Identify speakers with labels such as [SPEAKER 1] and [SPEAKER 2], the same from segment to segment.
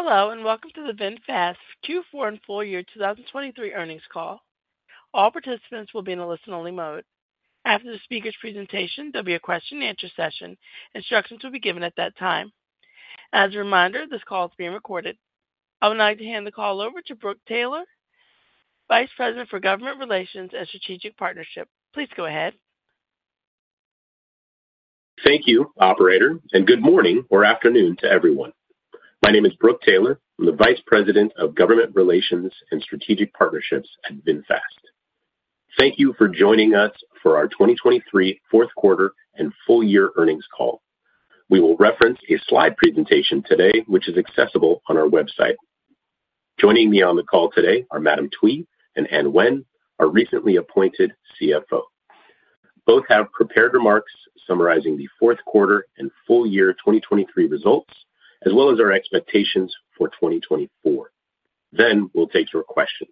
[SPEAKER 1] Hello, and welcome to the VinFast Q4 and Full Year 2023 Earnings Call. All participants will be in a listen-only mode. After the speaker's presentation, there'll be a question and answer session. Instructions will be given at that time. As a reminder, this call is being recorded. I would like to hand the call over to Brook Taylor, Vice President for Government Relations and Strategic Partnerships. Please go ahead.
[SPEAKER 2] Thank you, operator, and good morning or afternoon to everyone. My name is Brook Taylor. I'm the Vice President of Government Relations and Strategic Partnerships at VinFast. Thank you for joining us for our 2023 Fourth Quarter and Full Year Earnings Call. We will reference a slide presentation today, which is accessible on our website. Joining me on the call today are Madam Thuy and Anh Nguyen, our recently appointed CFO. Both have prepared remarks summarizing the fourth quarter and full year 2023 results, as well as our expectations for 2024. Then we'll take your questions.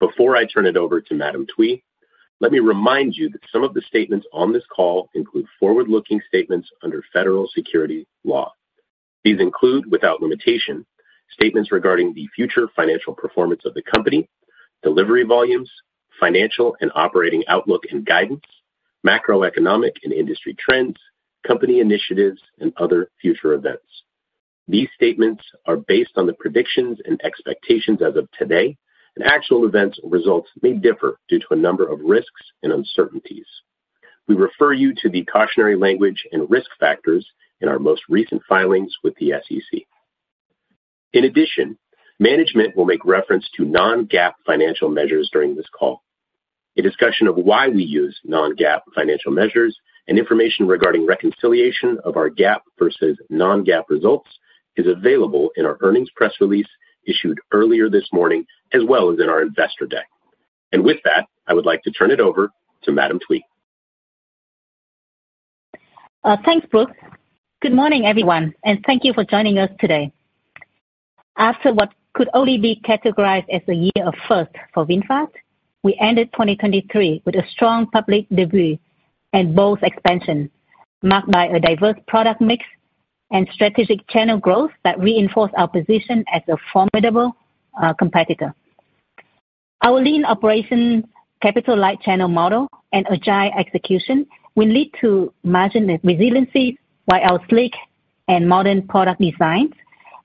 [SPEAKER 2] Before I turn it over to Madam Thuy, let me remind you that some of the statements on this call include forward-looking statements under federal securities law. These include, without limitation, statements regarding the future financial performance of the company, delivery volumes, financial and operating outlook and guidance, macroeconomic and industry trends, company initiatives, and other future events. These statements are based on the predictions and expectations as of today, and actual events or results may differ due to a number of risks and uncertainties. We refer you to the cautionary language and risk factors in our most recent filings with the SEC. In addition, management will make reference to non-GAAP financial measures during this call. A discussion of why we use non-GAAP financial measures and information regarding reconciliation of our GAAP versus non-GAAP results is available in our earnings press release issued earlier this morning, as well as in our Investor Day. With that, I would like to turn it over to Madam Thuy.
[SPEAKER 3] Thanks, Brook. Good morning, everyone, and thank you for joining us today. After what could only be categorized as a year of first for VinFast, we ended 2023 with a strong public debut and bold expansion, marked by a diverse product mix and strategic channel growth that reinforce our position as a formidable competitor. Our lean operation, capital-light channel model, and agile execution will lead to margin resiliency, while our sleek and modern product designs,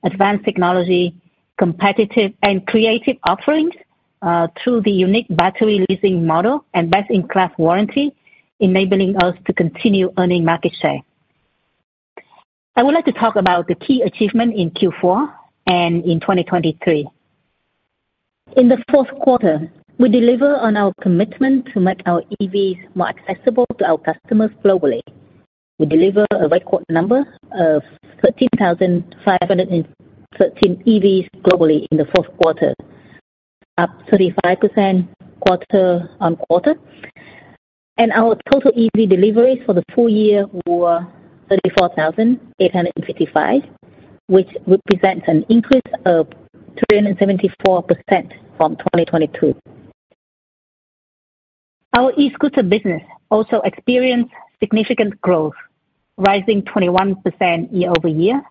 [SPEAKER 3] advanced technology, competitive and creative offerings through the unique battery leasing model and best-in-class warranty, enabling us to continue earning market share. I would like to talk about the key achievement in Q4 and in 2023. In the fourth quarter, we deliver on our commitment to make our EVs more accessible to our customers globally. We delivered a record number of 13,513 EVs globally in the fourth quarter, up 35% quarter-over-quarter, and our total EV deliveries for the full year were 34,855, which represents an increase of 374% from 2022. Our e-scooter business also experienced significant growth, rising 21% year-over-year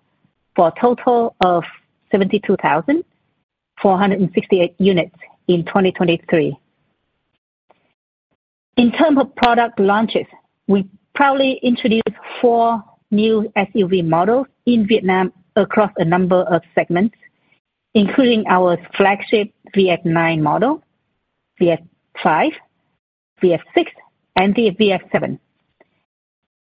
[SPEAKER 3] for a total of 72,468 units in 2023. In terms of product launches, we proudly introduced four new SUV models in Vietnam across a number of segments, including our flagship VF 9 model, VF 5, VF 6, and the VF 7.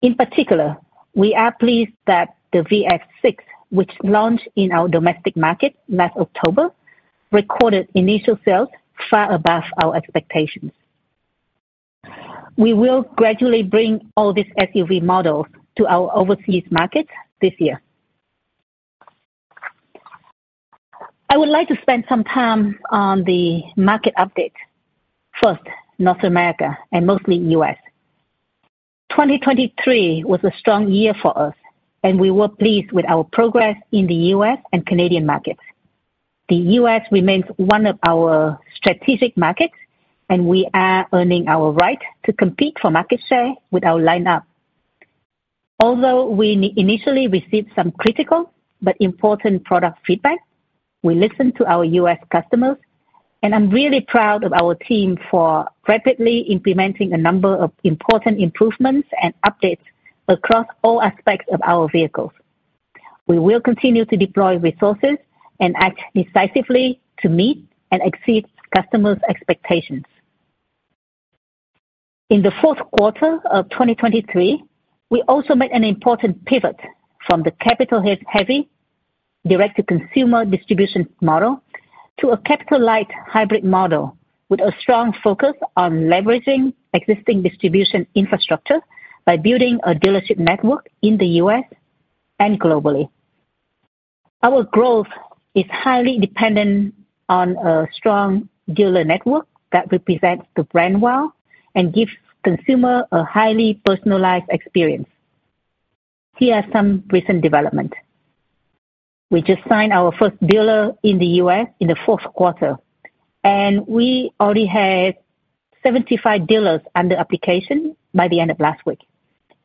[SPEAKER 3] In particular, we are pleased that the VF 6, which launched in our domestic market last October, recorded initial sales far above our expectations. We will gradually bring all these SUV models to our overseas markets this year. I would like to spend some time on the market update. First, North America, and mostly U.S. 2023 was a strong year for us, and we were pleased with our progress in the U.S. and Canadian markets. The U.S. remains one of our strategic markets, and we are earning our right to compete for market share with our lineup. Although we initially received some critical but important product feedback, we listened to our U.S. customers, and I'm really proud of our team for rapidly implementing a number of important improvements and updates across all aspects of our vehicles. We will continue to deploy resources and act decisively to meet and exceed customers' expectations. In the fourth quarter of 2023, we also made an important pivot from the capital-heavy direct-to-consumer distribution model to a capital-light hybrid model, with a strong focus on leveraging existing distribution infrastructure by building a dealership network in the U.S. and globally. Our growth is highly dependent on a strong dealer network that represents the brand well and gives consumer a highly personalized experience. Here are some recent development. We just signed our first dealer in the U.S. in the fourth quarter, and we already have 75 dealers under application by the end of last week,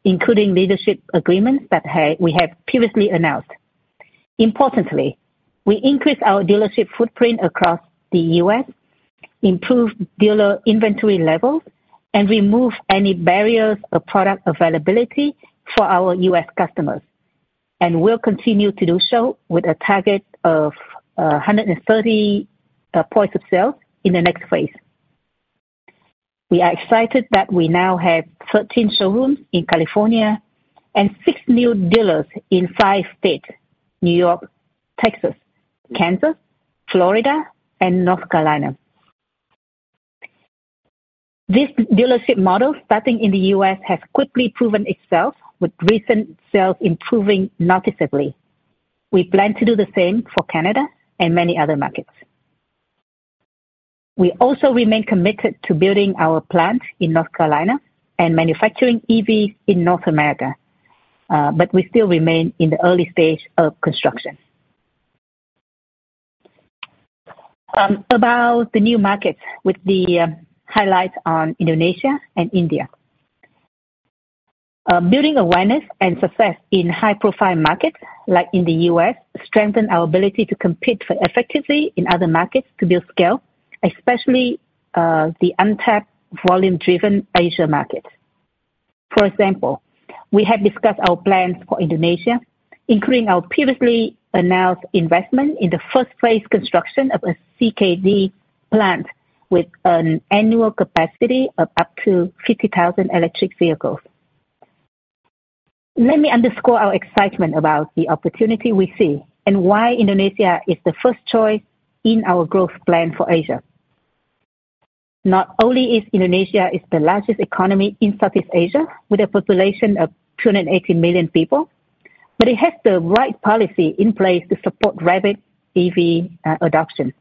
[SPEAKER 3] including leadership agreements that we have previously announced. Importantly, we increased our dealership footprint across the U.S., improved dealer inventory levels, and removed any barriers of product availability for our U.S. customers, and we'll continue to do so with a target of 130 points of sale in the next phase. We are excited that we now have 13 showrooms in California and six new dealers in five states: New York, Texas, Kansas, Florida, and North Carolina. This dealership model, starting in the U.S., has quickly proven itself, with recent sales improving noticeably. We plan to do the same for Canada and many other markets. We also remain committed to building our plant in North Carolina and manufacturing EVs in North America, but we still remain in the early stage of construction. About the new markets with the highlights on Indonesia and India. Building awareness and success in high-profile markets like in the U.S., strengthen our ability to compete effectively in other markets to build scale, especially, the untapped volume-driven Asia market. For example, we have discussed our plans for Indonesia, including our previously announced investment in the first phase construction of a CKD plant with an annual capacity of up to 50,000 electric vehicles. Let me underscore our excitement about the opportunity we see and why Indonesia is the first choice in our growth plan for Asia. Not only is Indonesia is the largest economy in Southeast Asia, with a population of 280 million people, but it has the right policy in place to support rapid EV, adoption.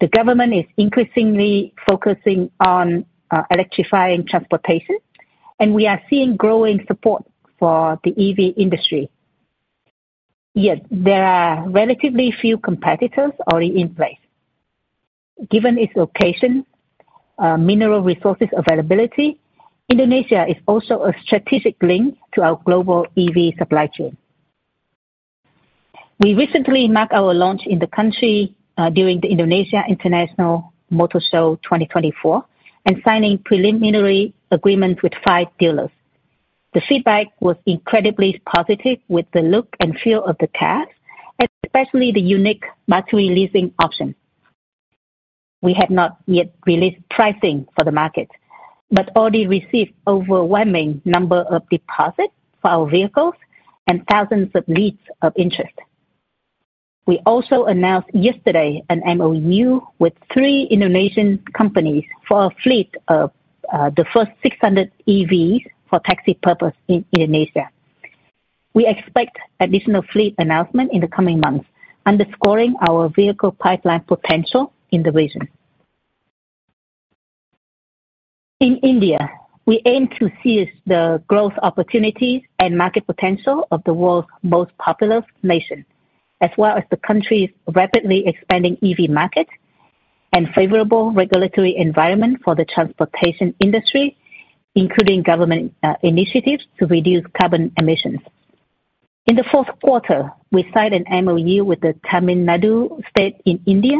[SPEAKER 3] The government is increasingly focusing on, electrifying transportation, and we are seeing growing support for the EV industry. Yet there are relatively few competitors already in place. Given its location, mineral resources availability, Indonesia is also a strategic link to our global EV supply chain. We recently marked our launch in the country, during the Indonesia International Motor Show 2024, and signing preliminary agreements with five dealers. The feedback was incredibly positive, with the look and feel of the cars, especially the unique battery leasing option. We have not yet released pricing for the market, but already received overwhelming number of deposits for our vehicles and thousands of leads of interest. We also announced yesterday an MOU with three Indonesian companies for a fleet of, the first 600 EVs for taxi purpose in Indonesia. We expect additional fleet announcement in the coming months, underscoring our vehicle pipeline potential in the region. In India, we aim to seize the growth opportunities and market potential of the world's most populous nation, as well as the country's rapidly expanding EV market and favorable regulatory environment for the transportation industry, including government initiatives to reduce carbon emissions. In the fourth quarter, we signed an MOU with the Tamil Nadu state in India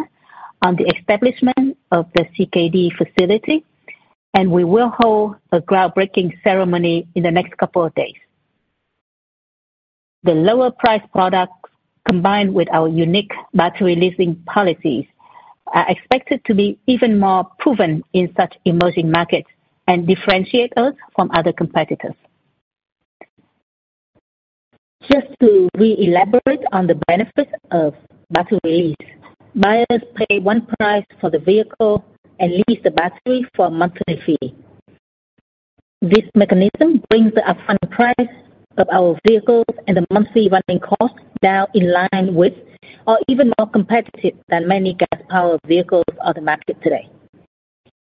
[SPEAKER 3] on the establishment of the CKD facility, and we will hold a groundbreaking ceremony in the next couple of days. The lower priced products, combined with our unique battery leasing policies, are expected to be even more proven in such emerging markets and differentiate us from other competitors. Just to re-elaborate on the benefits of battery lease, buyers pay one price for the vehicle and lease the battery for a monthly fee. This mechanism brings the upfront price of our vehicles and the monthly running costs now in line with or even more competitive than many gas-powered vehicles on the market today.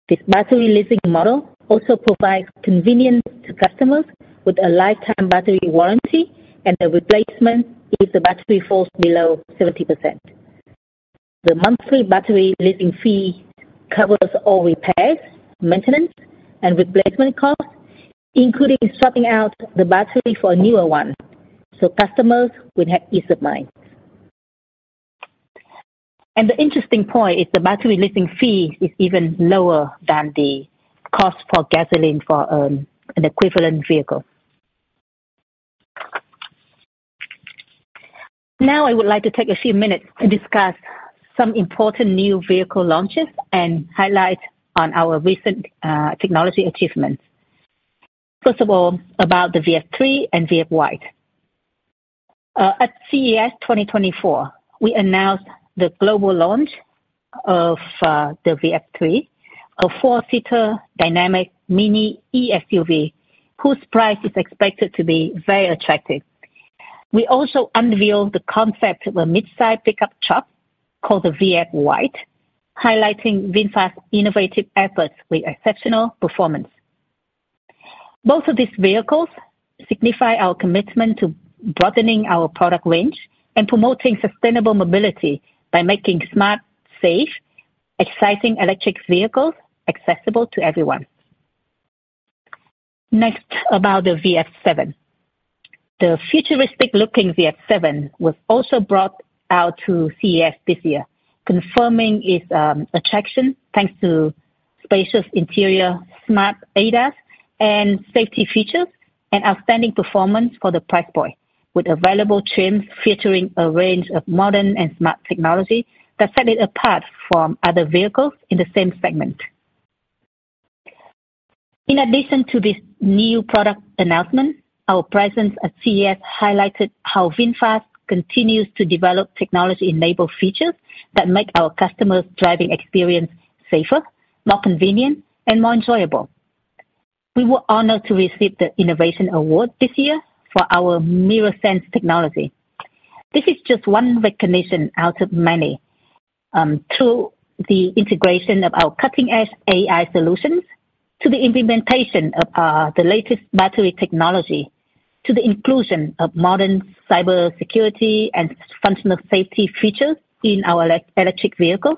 [SPEAKER 3] This battery leasing model also provides convenience to customers with a lifetime battery warranty and a replacement if the battery falls below 70%. The monthly battery leasing fee covers all repairs, maintenance, and replacement costs, including swapping out the battery for a newer one, so customers will have peace of mind. And the interesting point is the battery leasing fee is even lower than the cost for gasoline for an equivalent vehicle. Now, I would like to take a few minutes to discuss some important new vehicle launches and highlight on our recent technology achievements. First of all, about the VF 3 and VF Wild. At CES 2024, we announced the global launch of the VF 3, a four-seater dynamic mini e-SUV, whose price is expected to be very attractive. We also unveiled the concept of a midsize pickup truck, called the VF Wild, highlighting VinFast's innovative efforts with exceptional performance. Both of these vehicles signify our commitment to broadening our product range and promoting sustainable mobility by making smart, safe, exciting electric vehicles accessible to everyone. Next, about the VF 7. The futuristic-looking VF 7 was also brought out to CES this year, confirming its attraction, thanks to spacious interior, smart ADAS, and safety features, and outstanding performance for the price point, with available trims featuring a range of modern and smart technology that set it apart from other vehicles in the same segment. In addition to this new product announcement, our presence at CES highlighted how VinFast continues to develop technology-enabled features that make our customers' driving experience safer, more convenient, and more enjoyable. We were honored to receive the Innovation Award this year for our MirrorSense technology. This is just one recognition out of many through the integration of our cutting-edge AI solutions to the implementation of the latest battery technology, to the inclusion of modern cybersecurity and functional safety features in our electric vehicles.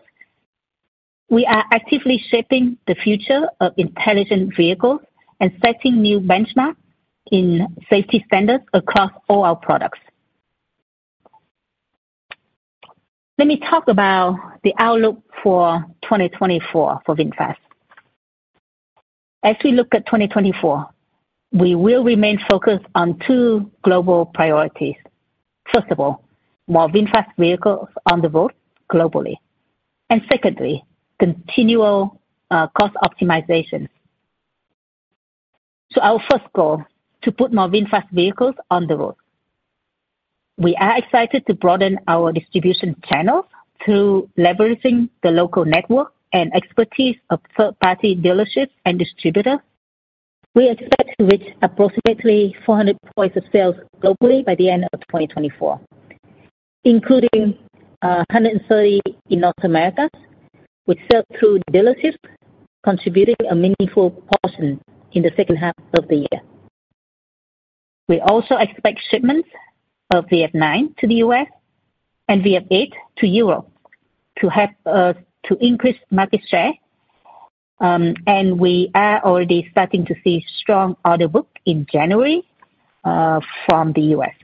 [SPEAKER 3] We are actively shaping the future of intelligent vehicles and setting new benchmarks in safety standards across all our products. Let me talk about the outlook for 2024 for VinFast. As we look at 2024, we will remain focused on two global priorities. First of all, more VinFast vehicles on the road globally, and secondly, continual cost optimization. So our first goal, to put more VinFast vehicles on the road. We are excited to broaden our distribution channels through leveraging the local network and expertise of third-party dealerships and distributors. We expect to reach approximately 400 points of sales globally by the end of 2024, including, 130 in North America, which sell through dealerships, contributing a meaningful portion in the second half of the year. We also expect shipments of VF 9 to the U.S. and VF 8 to Europe to help us to increase market share, and we are already starting to see strong order book in January, from the U.S.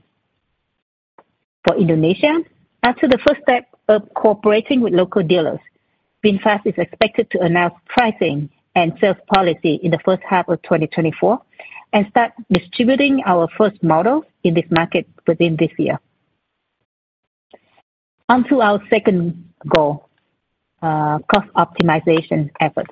[SPEAKER 3] For Indonesia, after the first step of cooperating with local dealers, VinFast is expected to announce pricing and sales policy in the first half of 2024, and start distributing our first model in this market within this year. On to our second goal, cost optimization efforts.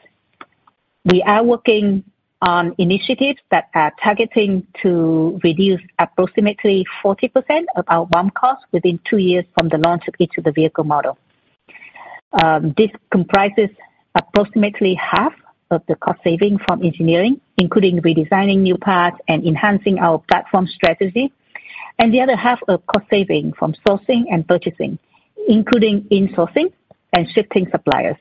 [SPEAKER 3] We are working on initiatives that are targeting to reduce approximately 40% of our BOM costs within two years from the launch of each of the vehicle model. This comprises approximately half of the cost saving from engineering, including redesigning new parts and enhancing our platform strategy, and the other half are cost saving from sourcing and purchasing, including in-sourcing and shifting suppliers.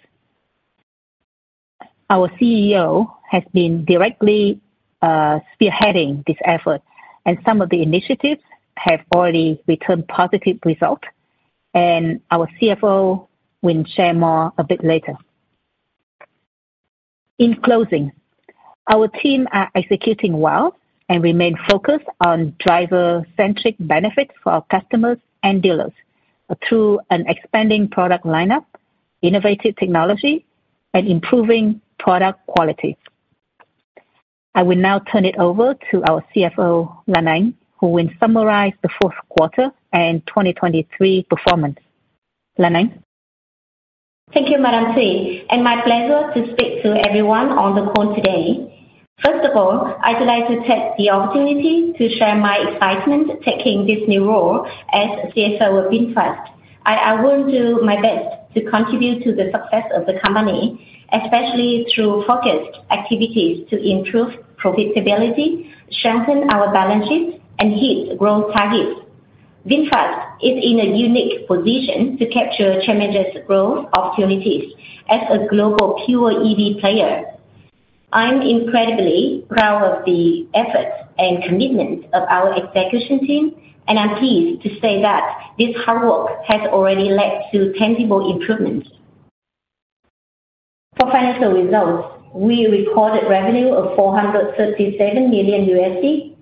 [SPEAKER 3] Our CEO has been directly, spearheading this effort, and some of the initiatives have already returned positive results, and our CFO will share more a bit later. In closing, our team are executing well and remain focused on driver-centric benefits for our customers and dealers through an expanding product lineup, innovative technology, and improving product quality. I will now turn it over to our CFO, Lan Anh, who will summarize the fourth quarter and 2023 performance. Lan Anh?
[SPEAKER 4] Thank you, Madam Thuy, and my pleasure to speak to everyone on the call today. First of all, I'd like to take the opportunity to share my excitement taking this new role as CFO of VinFast. I will do my best to contribute to the success of the company, especially through focused activities to improve profitability, strengthen our balance sheet, and hit growth targets. VinFast is in a unique position to capture tremendous growth opportunities as a global pure EV player. I'm incredibly proud of the effort and commitment of our execution team, and I'm pleased to say that this hard work has already led to tangible improvements. For financial results, we recorded revenue of $437 million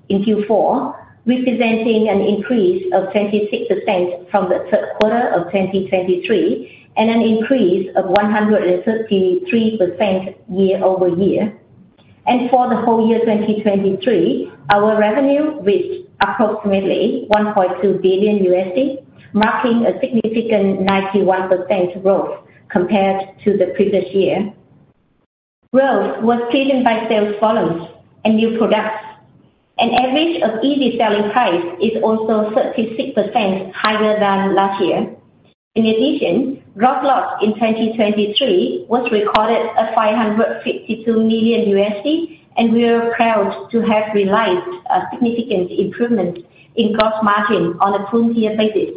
[SPEAKER 4] in Q4, representing an increase of 26% from the third quarter of 2023, and an increase of 133% year-over-year. For the whole year, 2023, our revenue reached approximately $1.2 billion, marking a significant 91% growth compared to the previous year. Growth was driven by sales volumes and new products. An average of EV selling price is also 36% higher than last year. In addition, gross loss in 2023 was recorded at $552 million, and we are proud to have realized a significant improvement in gross margin on a full year basis...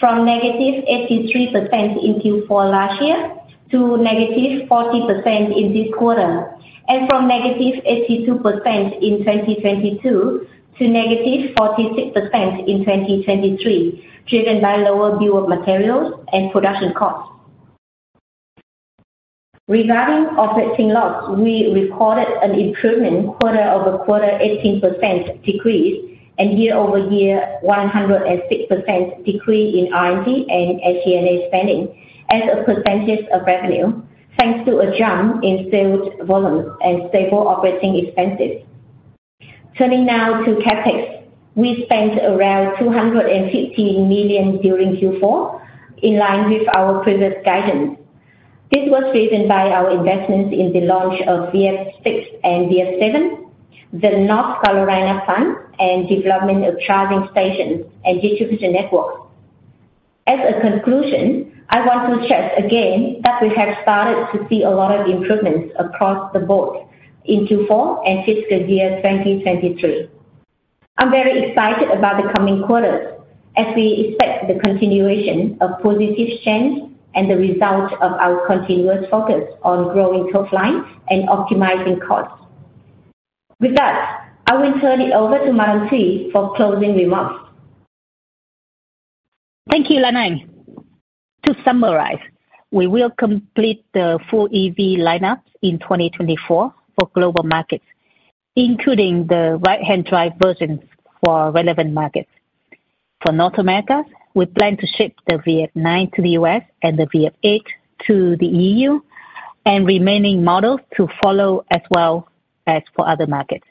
[SPEAKER 4] from -83% in Q4 last year to -40% in this quarter, and from -82% in 2022 to -46% in 2023, driven by lower bill of materials and production costs. Regarding operating loss, we recorded an improvement quarter-over-quarter 18% decrease, and year-over-year 106% decrease in R&D and SG&A spending as a percentage of revenue, thanks to a jump in sales volume and stable operating expenses. Turning now to CapEx. We spent around $250 million during Q4, in line with our previous guidance. This was driven by our investments in the launch of VF 6 and VF 7, the North Carolina plant, and development of charging stations and distribution networks. As a conclusion, I want to stress again that we have started to see a lot of improvements across the board in Q4 and fiscal year 2023. I'm very excited about the coming quarters, as we expect the continuation of positive change and the results of our continuous focus on growing top line and optimizing costs. With that, I will turn it over to Madam Thuy for closing remarks.
[SPEAKER 3] Thank you, Lan Anh. To summarize, we will complete the full EV lineup in 2024 for global markets, including the right-hand drive versions for relevant markets. For North America, we plan to ship the VF 9 to the U.S. and the VF 8 to the EU, and remaining models to follow, as well as for other markets,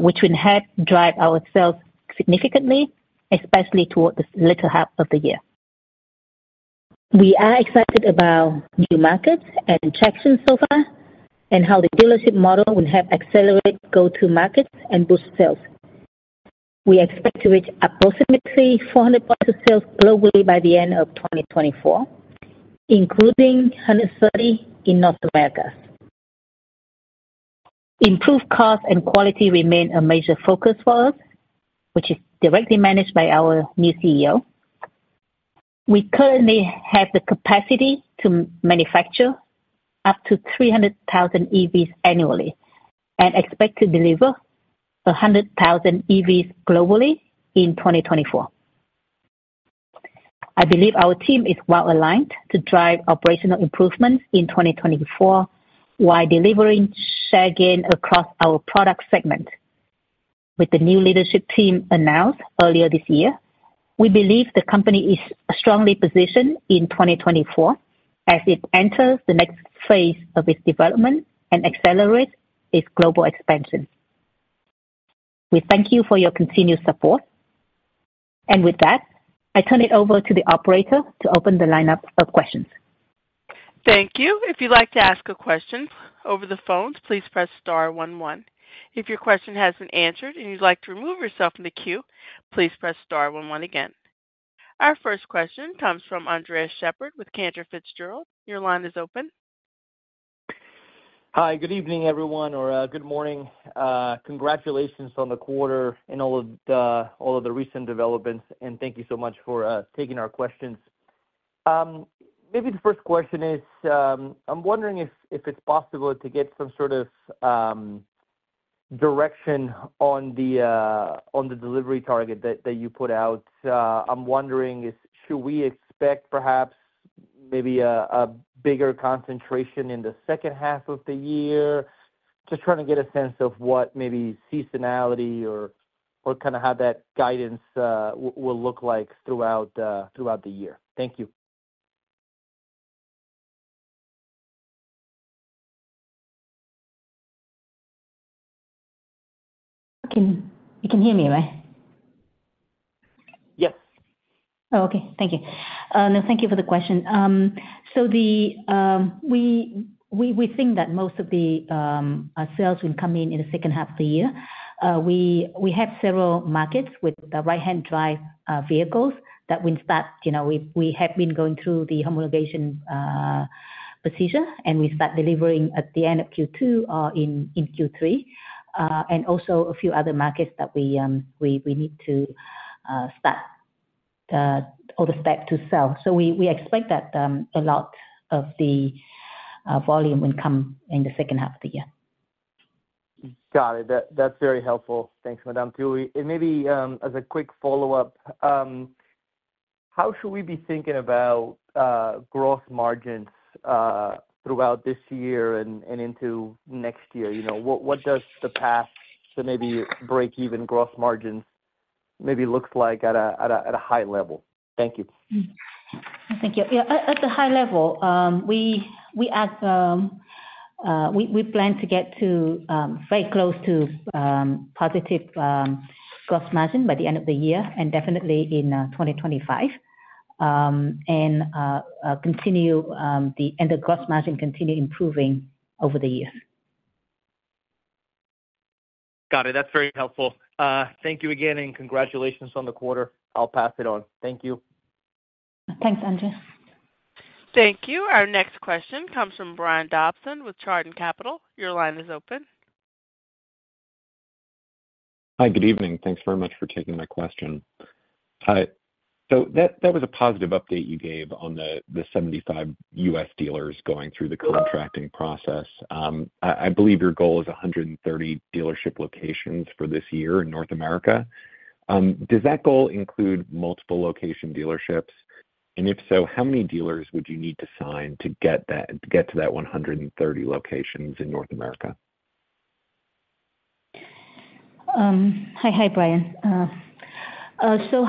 [SPEAKER 3] which will help drive our sales significantly, especially towards the latter half of the year. We are excited about new markets and traction so far, and how the dealership model will help accelerate go-to-market and boost sales. We expect to reach approximately 400 points of sales globally by the end of 2024, including 130 in North America. Improved cost and quality remain a major focus for us, which is directly managed by our new CEO. We currently have the capacity to manufacture up to 300,000 EVs annually and expect to deliver 100,000 EVs globally in 2024. I believe our team is well aligned to drive operational improvements in 2024, while delivering share gain across our product segment. With the new leadership team announced earlier this year, we believe the company is strongly positioned in 2024 as it enters the next phase of its development and accelerates its global expansion. We thank you for your continued support, and with that, I turn it over to the operator to open the lineup of questions.
[SPEAKER 1] Thank you. If you'd like to ask a question over the phones, please press star one one. If your question has been answered and you'd like to remove yourself from the queue, please press star one one again. Our first question comes from Andres Sheppard with Cantor Fitzgerald. Your line is open.
[SPEAKER 5] Hi, good evening, everyone, or good morning. Congratulations on the quarter and all of the, all of the recent developments, and thank you so much for taking our questions. Maybe the first question is, I'm wondering if it's possible to get some sort of direction on the delivery target that you put out. I'm wondering is, should we expect perhaps maybe a bigger concentration in the second half of the year? Just trying to get a sense of what maybe seasonality or kind of how that guidance will look like throughout the year. Thank you.
[SPEAKER 3] You can hear me, right?
[SPEAKER 5] Yep.
[SPEAKER 3] Oh, okay. Thank you. Now thank you for the question. So we think that most of the sales will come in the second half of the year. We have several markets with the right-hand drive vehicles that will start, you know, we have been going through the homologation procedure, and we start delivering at the end of Q2 or in Q3. And also a few other markets that we need to start or the spec to sell. So we expect that a lot of the volume will come in the second half of the year.
[SPEAKER 5] Got it. That, that's very helpful. Thanks, Madame Thuy. And maybe, as a quick follow-up, how should we be thinking about, growth margins, throughout this year and into next year? You know, what does the path to maybe break even growth margins maybe looks like at a high level? Thank you.
[SPEAKER 3] Mm. Thank you. Yeah, at the high level, we plan to get to very close to positive gross margin by the end of the year, and definitely in 2025. And continue, and the gross margin continue improving over the years.
[SPEAKER 5] Got it. That's very helpful. Thank you again, and congratulations on the quarter. I'll pass it on. Thank you.
[SPEAKER 3] Thanks, Andreas.
[SPEAKER 1] Thank you. Our next question comes from Brian Dobson with Chardan Capital. Your line is open....
[SPEAKER 6] Hi, good evening. Thanks very much for taking my question. So that, that was a positive update you gave on the, the 75 U.S. dealers going through the contracting process. I believe your goal is 130 dealership locations for this year in North America. Does that goal include multiple location dealerships? And if so, how many dealers would you need to sign to get that, to get to that 130 locations in North America?
[SPEAKER 3] Hi, hi, Brian. So,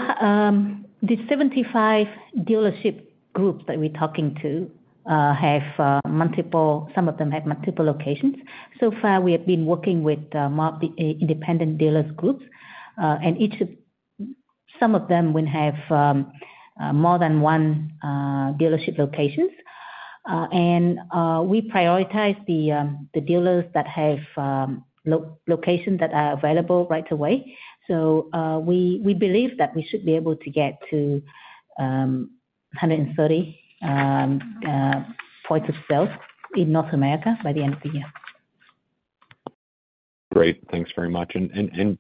[SPEAKER 3] the 75 dealership groups that we're talking to have multiple, some of them have multiple locations. So far, we have been working with multi independent dealers groups, and each of, some of them will have more than one dealership locations. And we prioritize the dealers that have locations that are available right away. So, we believe that we should be able to get to 130 point of sales in North America by the end of the year.
[SPEAKER 6] Great. Thanks very much. And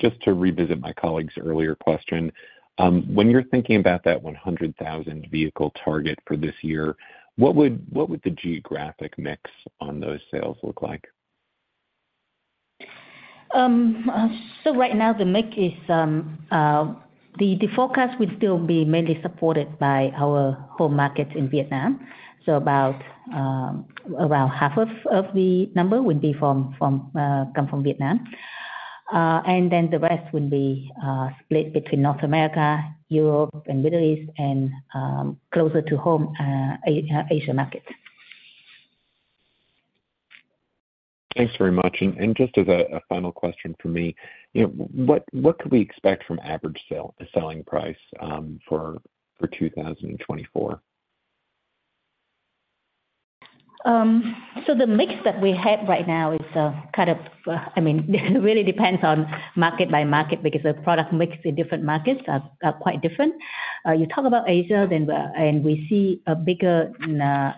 [SPEAKER 6] just to revisit my colleague's earlier question, when you're thinking about that 100,000 vehicle target for this year, what would the geographic mix on those sales look like?
[SPEAKER 3] So right now the mix is, the forecast will still be mainly supported by our home markets in Vietnam. So about, around half of the number will be from Vietnam. And then the rest will be split between North America, Europe and Middle East and, closer to home, Asia market.
[SPEAKER 6] Thanks very much. And just as a final question from me, you know, what could we expect from average selling price for 2024?
[SPEAKER 3] So the mix that we have right now is kind of, I mean, it really depends on market by market because the product mix in different markets are quite different. You talk about Asia, then and we see a bigger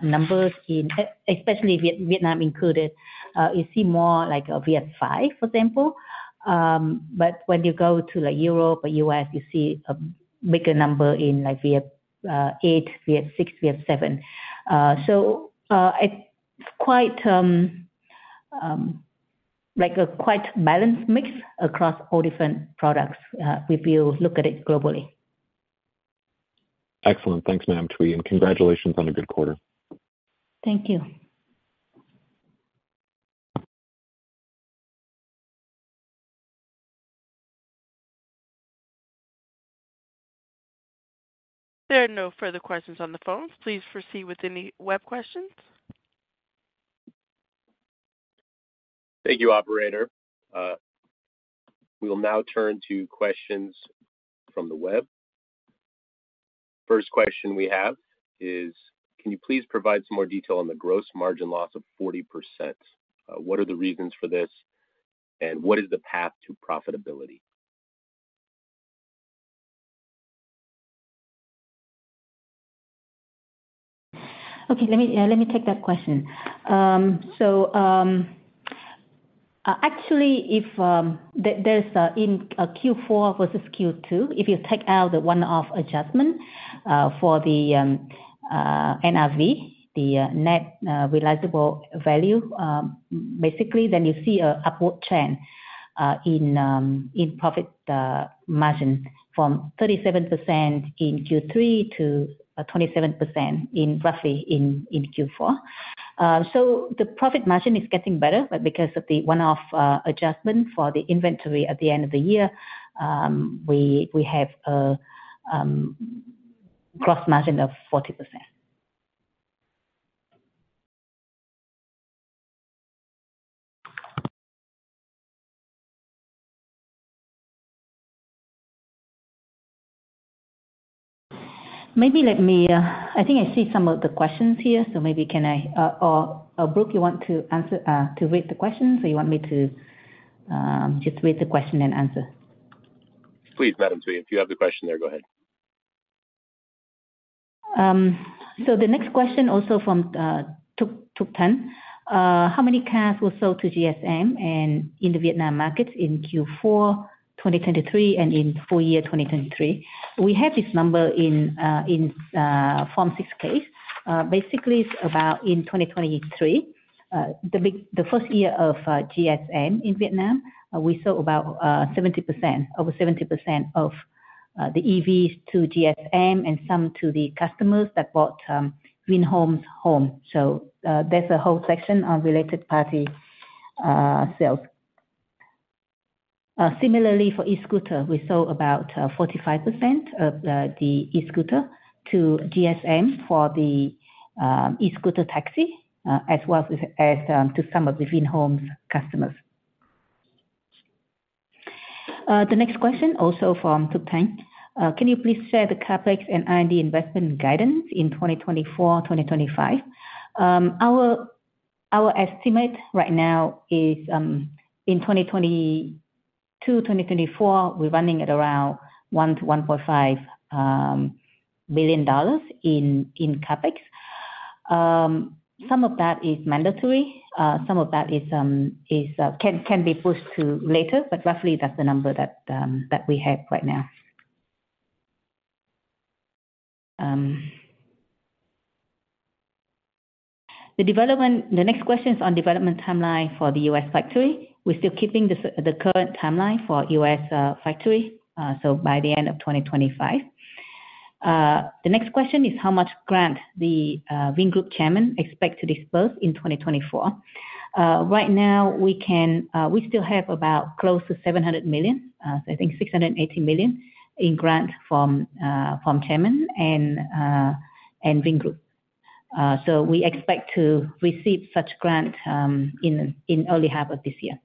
[SPEAKER 3] numbers in especially Vietnam included. You see more like a VF 5, for example. But when you go to, like, Europe or U.S., you see a bigger number in, like, VF 8, VF 6, VF 7. So it's quite like a quite balanced mix across all different products, if you look at it globally.
[SPEAKER 6] Excellent. Thanks, Madam Thuy, and congratulations on a good quarter.
[SPEAKER 3] Thank you.
[SPEAKER 1] There are no further questions on the phone. Please proceed with any web questions.
[SPEAKER 2] Thank you, operator. We will now turn to questions from the web. First question we have is: Can you please provide some more detail on the gross margin loss of 40%? What are the reasons for this, and what is the path to profitability?
[SPEAKER 3] Okay, let me take that question. So, actually, if there's a in Q4 versus Q2, if you take out the one-off adjustment for the NRV, the net realizable value, basically, then you see an upward trend in profit margin from 37% in Q3 to 27% in roughly Q4. So the profit margin is getting better, but because of the one-off adjustment for the inventory at the end of the year, we have a gross margin of 40%. Maybe let me... I think I see some of the questions here, so maybe can I or Brook, you want to answer to read the question, or you want me to just read the question and answer?
[SPEAKER 2] Please, Madame Thuy, if you have the question there, go ahead.
[SPEAKER 3] So the next question also from Tuc Tan: How many cars were sold to GSM and in the Vietnam market in Q4 2023 and in full year 2023? We have this number in Form 6-K. Basically, it's about in 2023, the big, the first year of GSM in Vietnam, we saw about 70%, over 70% of the EVs to GSM and some to the customers that bought Vinhomes home. So there's a whole section on related-party sales. Similarly for e-scooter, we sold about 45% of the e-scooter to GSM for the e-scooter taxi as well as to some of the Vinhomes customers. The next question also from Tuc Tan: Can you please share the CapEx and R&D investment guidance in 2024, 2025? Our estimate right now is, in 2022, 2024, we're running at around $1 billion-$1.5 billion in CapEx. Some of that is mandatory, some of that can be pushed to later, but roughly that's the number that we have right now. The next question is on development timeline for the U.S. factory. We're still keeping the current timeline for U.S. factory, so by the end of 2025. The next question is how much grant the Vingroup chairman expect to disperse in 2024? Right now, we can, we still have about close to $700 million, so I think $680 million, in grant from Chairman and Vingroup. So we expect to receive such grant in early half of this year.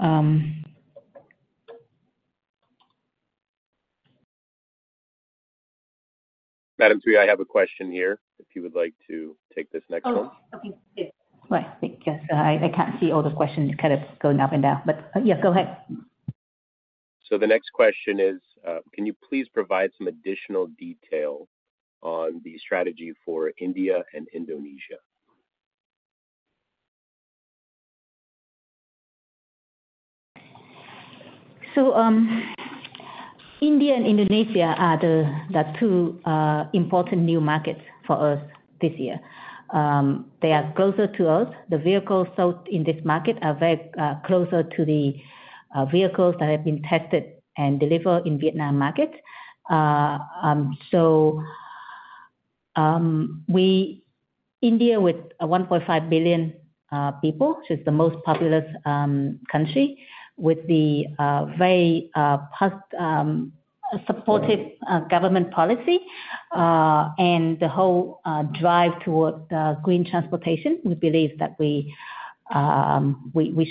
[SPEAKER 2] Madam Thuy, I have a question here, if you would like to take this next one.
[SPEAKER 3] Oh, okay. Yes. Well, yes, I, I can't see all the questions kind of going up and down, but, yeah, go ahead.
[SPEAKER 2] The next question is, can you please provide some additional detail on the strategy for India and Indonesia?
[SPEAKER 3] India and Indonesia are the two important new markets for us this year. They are closer to us. The vehicles sold in this market are very closer to the vehicles that have been tested and delivered in Vietnam market. So, India, with 1.5 billion people, which is the most populous country with the very supportive government policy, and the whole drive towards green transportation, we believe that we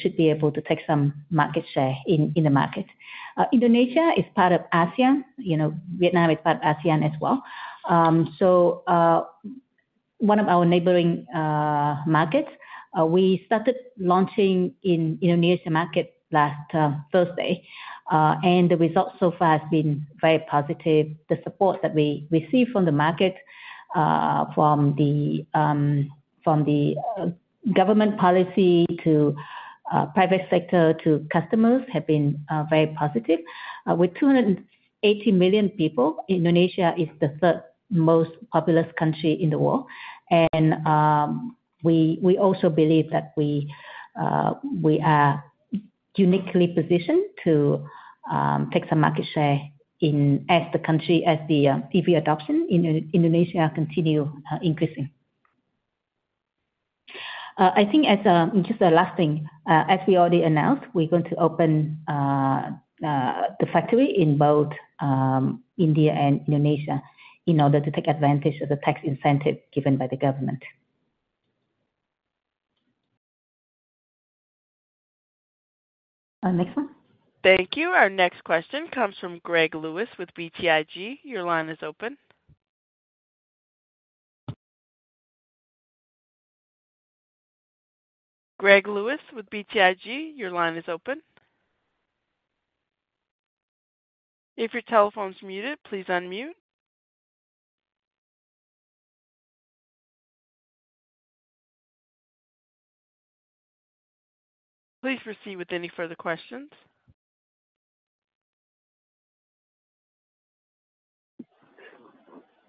[SPEAKER 3] should be able to take some market share in the market. Indonesia is part of ASEAN. You know, Vietnam is part of ASEAN as well. So, one of our neighboring markets, we started launching in Indonesia market last Thursday, and the results so far has been very positive. The support that we received from the market, from the government policy to private sector, to customers, have been very positive. With 280 million people, Indonesia is the third most populous country in the world, and we also believe that we are uniquely positioned to take some market share in... as the country, as the EV adoption in Indonesia continue increasing. I think as just the last thing, as we already announced, we're going to open the factory in both India and Indonesia in order to take advantage of the tax incentive given by the government. Next one?
[SPEAKER 1] Thank you. Our next question comes from Greg Lewis with BTIG. Your line is open. Greg Lewis with BTIG, your line is open. If your telephone's muted, please unmute. Please proceed with any further questions.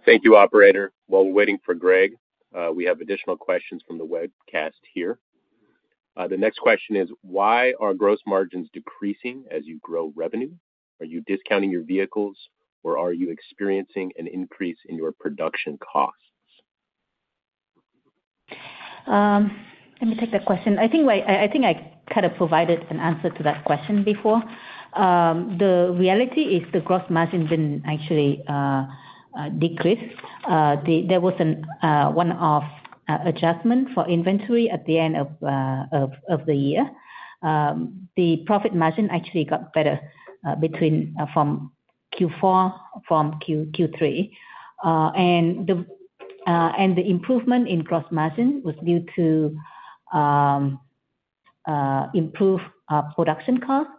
[SPEAKER 2] Thank you, operator. While we're waiting for Greg, we have additional questions from the webcast here. The next question is: Why are gross margins decreasing as you grow revenue? Are you discounting your vehicles, or are you experiencing an increase in your production costs?
[SPEAKER 3] Let me take that question. I think I kind of provided an answer to that question before. The reality is the gross margin didn't actually decrease. There was a one-off adjustment for inventory at the end of the year. The profit margin actually got better between from Q4 from Q3. And the improvement in gross margin was due to improved production cost,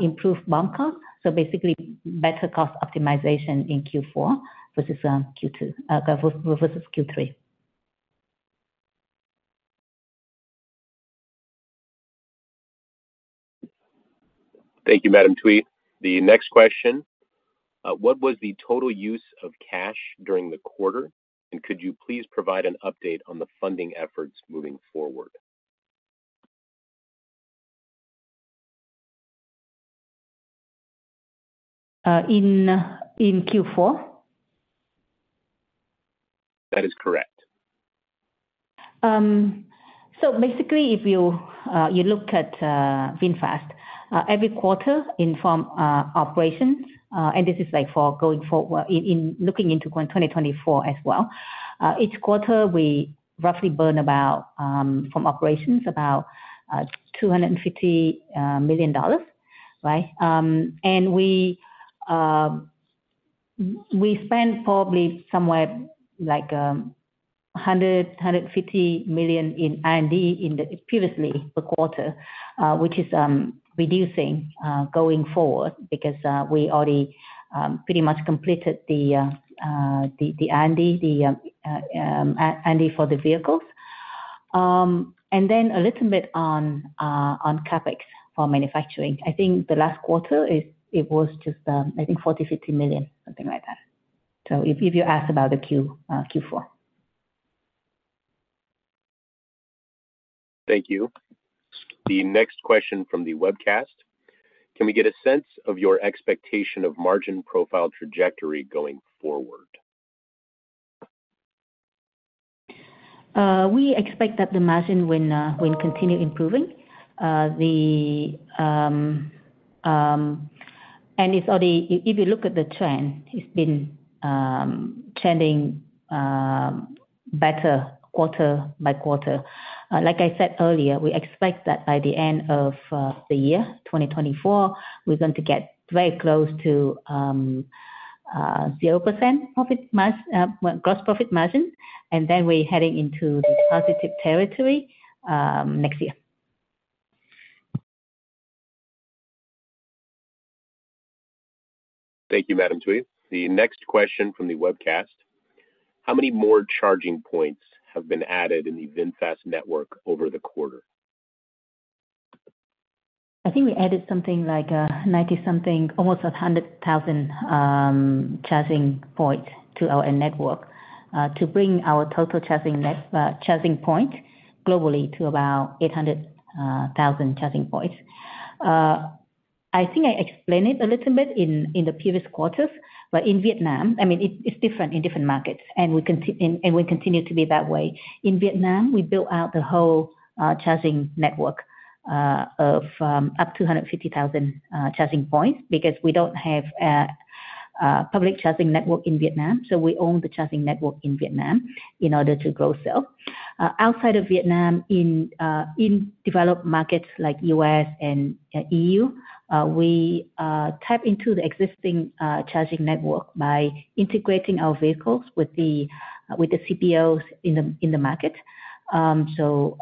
[SPEAKER 3] improved BOM cost, so basically better cost optimization in Q4 versus Q2 versus Q3.
[SPEAKER 2] Thank you, Madame Thuy. The next question: What was the total use of cash during the quarter? And could you please provide an update on the funding efforts moving forward?
[SPEAKER 3] In Q4?
[SPEAKER 2] That is correct.
[SPEAKER 3] So basically, if you look at VinFast every quarter in from operations, and this is like for going forward, in looking into 2024 as well. Each quarter, we roughly burn about from operations about $250 million, right? And we spend probably somewhere like $150 million in R&D in the previous quarter, which is reducing going forward because we already pretty much completed the R&D for the vehicles. And then a little bit on CapEx for manufacturing. I think the last quarter, it was just I think $40 million-$50 million, something like that. So if you ask about the Q4.
[SPEAKER 2] Thank you. The next question from the webcast: Can we get a sense of your expectation of margin profile trajectory going forward?
[SPEAKER 3] We expect that the margin will continue improving. If you look at the trend, it's been trending better quarter by quarter. Like I said earlier, we expect that by the end of the year 2024, we're going to get very close to 0% gross profit margin, and then we're heading into the positive territory next year.
[SPEAKER 2] Thank you, Madam Thuy. The next question from the webcast: How many more charging points have been added in the VinFast network over the quarter?
[SPEAKER 3] I think we added something like 90-something, almost 100,000 charging points to our network to bring our total charging points globally to about 800,000 charging points. I think I explained it a little bit in the previous quarters, but in Vietnam, I mean, it's different in different markets, and we continue and will continue to be that way. In Vietnam, we built out the whole charging network of up to 250,000 charging points because we don't have a public charging network in Vietnam, so we own the charging network in Vietnam in order to grow sale. Outside of Vietnam, in developed markets like U.S. and E.U., we tap into the existing charging network by integrating our vehicles with the CPOs in the market. So,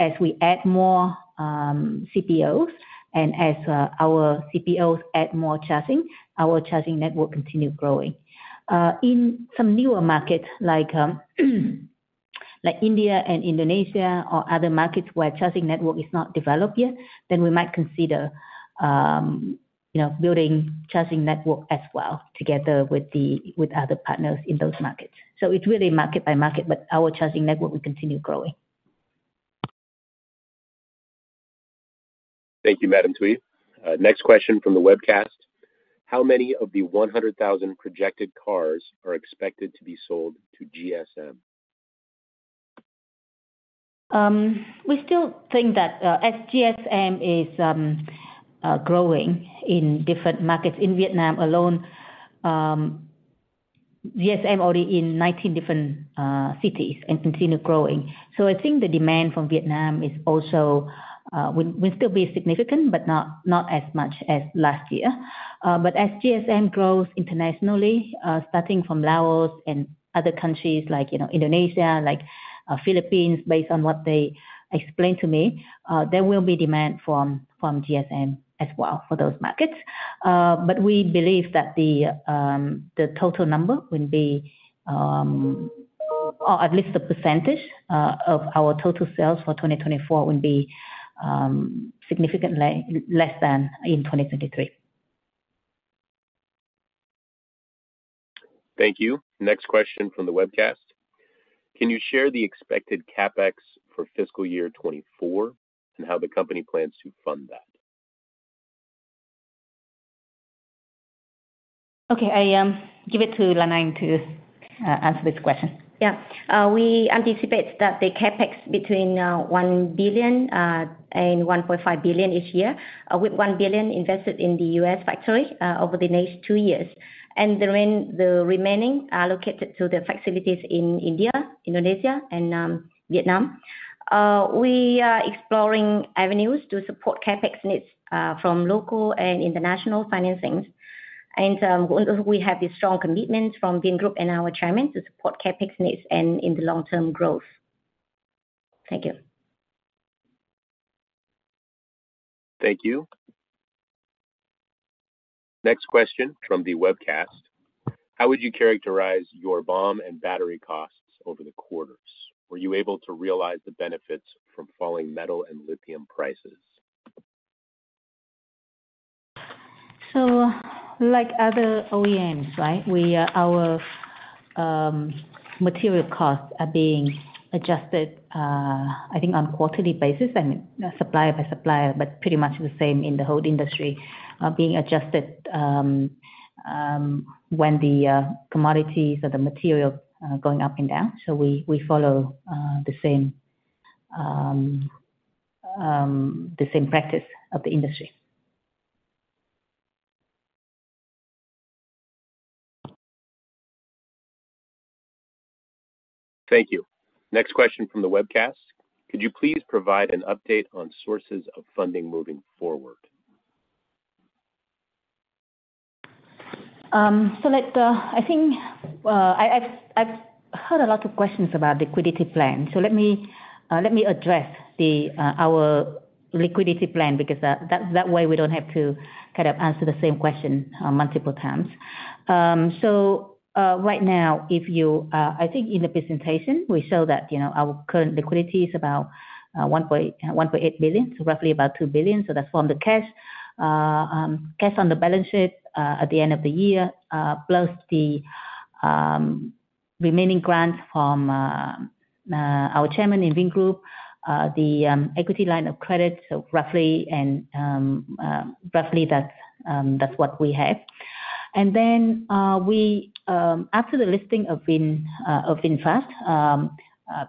[SPEAKER 3] as we add more CPOs and as our CPOs add more charging, our charging network continue growing. In some newer markets, like India and Indonesia or other markets where charging network is not developed yet, then we might consider, you know, building charging network as well together with other partners in those markets. So it's really market by market, but our charging network will continue growing.
[SPEAKER 2] Thank you, Madam Thuy. Next question from the webcast: How many of the 100,000 projected cars are expected to be sold to GSM?
[SPEAKER 3] We still think that, as GSM is growing in different markets, in Vietnam alone, GSM already in 19 different cities and continue growing. So I think the demand from Vietnam is also will still be significant, but not as much as last year. But as GSM grows internationally, starting from Laos and other countries like, you know, Indonesia, like Philippines, based on what they explained to me, there will be demand from GSM as well for those markets. But we believe that the total number will be, or at least the percentage of our total sales for 2024 will be significantly less than in 2023.
[SPEAKER 2] Thank you. Next question from the webcast: Can you share the expected CapEx for fiscal year 2024 and how the company plans to fund that?
[SPEAKER 3] Okay, I give it to Lan Anh to answer this question.
[SPEAKER 4] Yeah. We anticipate that the CapEx between $1 billion and $1.5 billion each year, with $1 billion invested in the U.S. factory over the next two years, and the remaining are allocated to the facilities in India, Indonesia, and Vietnam. We are exploring avenues to support CapEx needs from local and international financings. We have a strong commitment from Vingroup and our chairman to support CapEx needs and in the long-term growth. Thank you.
[SPEAKER 2] Thank you. Next question from the webcast: How would you characterize your BOM and battery costs over the quarters? Were you able to realize the benefits from falling metal and lithium prices?
[SPEAKER 3] So like other OEMs, right? Our material costs are being adjusted, I think on quarterly basis, and supplier by supplier, but pretty much the same in the whole industry, being adjusted when the commodities or the material going up and down. So we follow the same practice of the industry....
[SPEAKER 2] Thank you. Next question from the webcast: Could you please provide an update on sources of funding moving forward?
[SPEAKER 3] I think I've heard a lot of questions about liquidity plan, so let me address our liquidity plan, because that way, we don't have to kind of answer the same question multiple times. So, right now, if you... I think in the presentation, we show that, you know, our current liquidity is about $1.8 billion, so roughly about $2 billion. So that's from the cash, cash on the balance sheet at the end of the year, plus the remaining grants from our chairman in Vingroup, the equity line of credit, so roughly that's what we have. And then, after the listing of VinFast,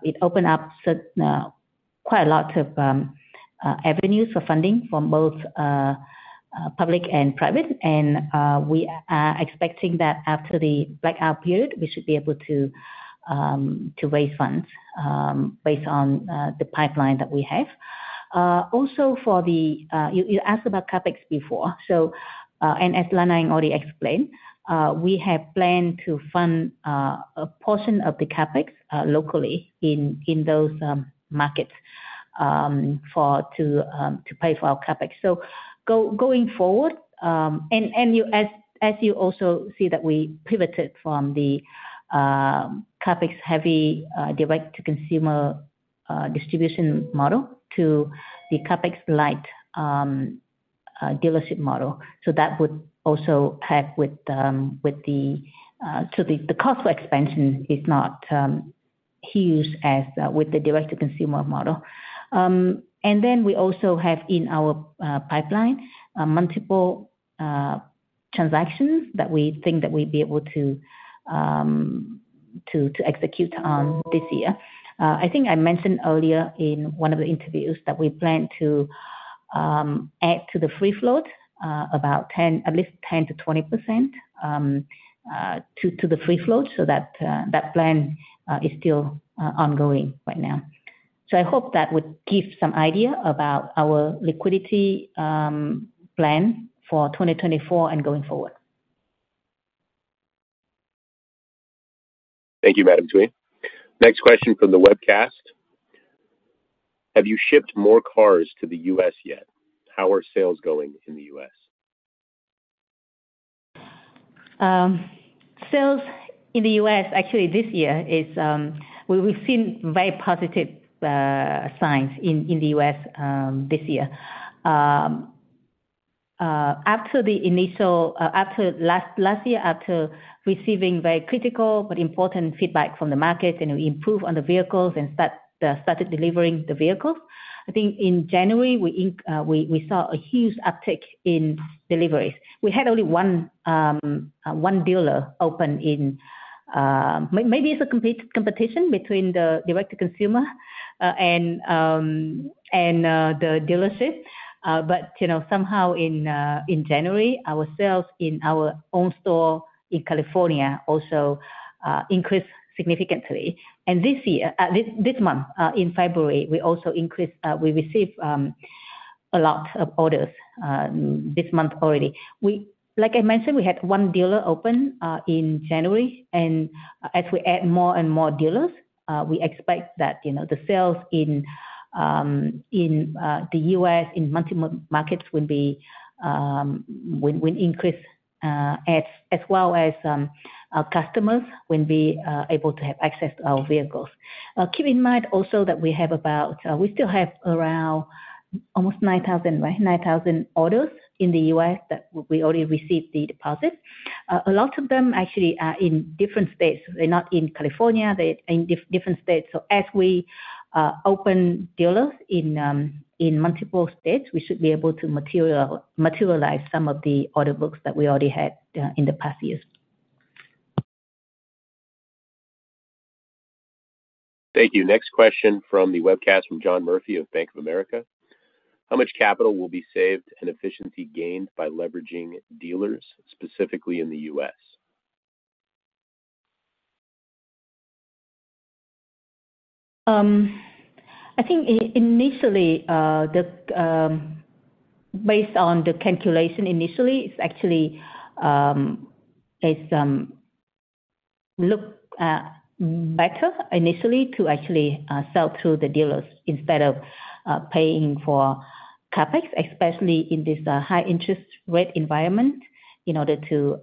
[SPEAKER 3] it opened up quite a lot of avenues for funding from both public and private. We are expecting that after the blackout period, we should be able to raise funds based on the pipeline that we have. Also, you asked about CapEx before, so, and as Lan Anh already explained, we have planned to fund a portion of the CapEx locally in those markets to pay for our CapEx. Going forward, and you, as you also see that we pivoted from the CapEx-heavy direct-to-consumer distribution model to the CapEx-light dealership model, so that would also help with the... So the cost for expansion is not huge as with the direct-to-consumer model. And then we also have in our pipeline multiple transactions that we think that we'd be able to execute on this year. I think I mentioned earlier in one of the interviews that we plan to add to the free float about 10, at least 10%-20% to the free float, so that plan is still ongoing right now. So I hope that would give some idea about our liquidity, plan for 2024 and going forward.
[SPEAKER 2] Thank you, Madam Thuy. Next question from the webcast: Have you shipped more cars to the U.S. yet? How are sales going in the U.S.?
[SPEAKER 3] Sales in the U.S., actually this year, is, we, we've seen very positive signs in the U.S. this year. After the initial, after last year, after receiving very critical but important feedback from the market, and we improve on the vehicles and started delivering the vehicles, I think in January, we saw a huge uptick in deliveries. We had only one dealer open in May, maybe it's a competition between the direct to consumer and the dealership. But, you know, somehow in January, our sales in our own store in California also increased significantly. And this year, this month, in February, we received a lot of orders this month already. Like I mentioned, we had one dealer open in January, and as we add more and more dealers, we expect that, you know, the sales in the U.S. in multi-markets will increase, as well as our customers will be able to have access to our vehicles. Keep in mind also that we still have around almost 9,000, right? 9,000 orders in the U.S. that we already received the deposit. A lot of them actually are in different states. They're not in California. They're in different states. So as we open dealers in multiple states, we should be able to materialize some of the order books that we already had in the past years.
[SPEAKER 2] Thank you. Next question from the webcast from John Murphy of Bank of America. How much capital will be saved and efficiency gained by leveraging dealers, specifically in the U.S.?
[SPEAKER 3] I think initially, based on the calculation, initially, it's actually better initially to actually sell to the dealers instead of paying for CapEx, especially in this high interest rate environment, in order to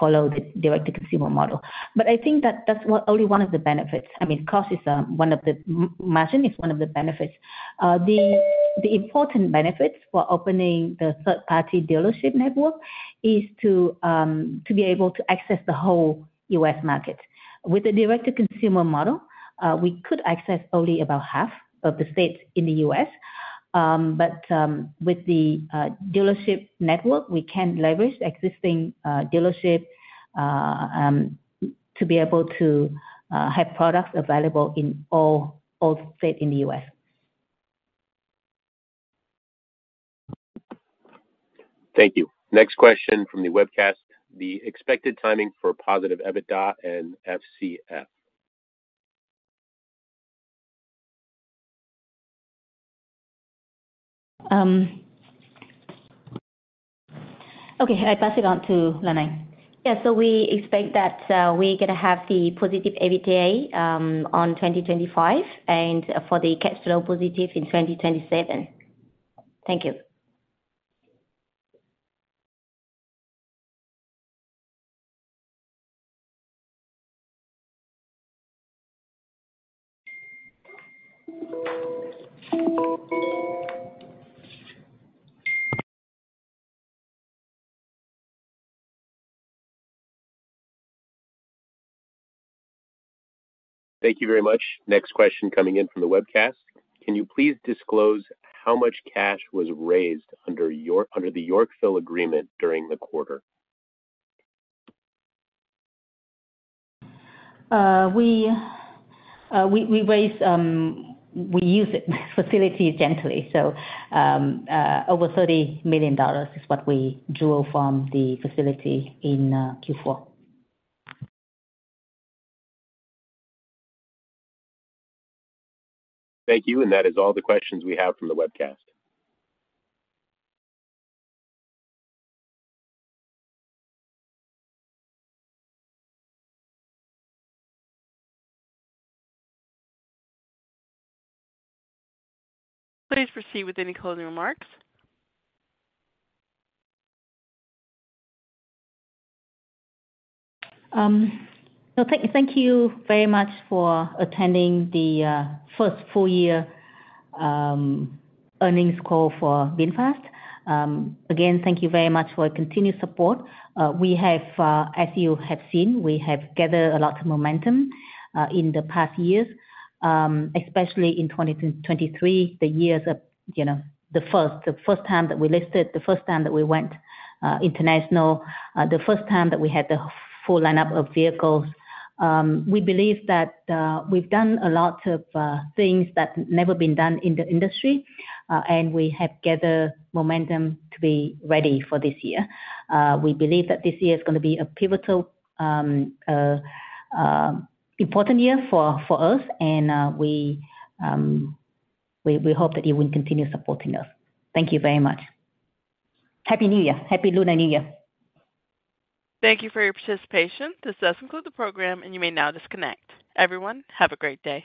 [SPEAKER 3] follow the direct-to-consumer model. But I think that's only one of the benefits. I mean, margin is one of the benefits. The important benefits for opening the third-party dealership network is to be able to access the whole U.S. market. With the direct-to-consumer model, we could access only about half of the states in the U.S. But with the dealership network, we can leverage existing dealership to be able to have products available in all states in the U.S....
[SPEAKER 2] Thank you. Next question from the webcast, the expected timing for positive EBITDA and FCF?
[SPEAKER 3] Okay, I pass it on to Lan Anh.
[SPEAKER 4] Yeah, so we expect that, we're gonna have the positive EBITDA on 2025, and for the cash flow positive in 2027. Thank you.
[SPEAKER 2] Thank you very much. Next question coming in from the webcast: Can you please disclose how much cash was raised under the Yorkville agreement during the quarter?
[SPEAKER 3] We used the facility extensively, so over $30 million is what we drew from the facility in Q4.
[SPEAKER 2] Thank you, and that is all the questions we have from the webcast.
[SPEAKER 1] Please proceed with any closing remarks.
[SPEAKER 3] So thank you very much for attending the first full year earnings call for VinFast. Again, thank you very much for your continued support. We have, as you have seen, gathered a lot of momentum in the past years, especially in 2023, the years of, you know, the first time that we listed, the first time that we went international, the first time that we had the full lineup of vehicles. We believe that we've done a lot of things that never been done in the industry, and we have gathered momentum to be ready for this year. We believe that this year is gonna be a pivotal, important year for us, and we hope that you will continue supporting us. Thank you very much. Happy New Year! Happy Lunar New Year.
[SPEAKER 1] Thank you for your participation. This does conclude the program, and you may now disconnect. Everyone, have a great day.